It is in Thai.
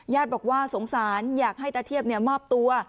บอกว่าสงสารอยากให้ตาเทียบมอบตัว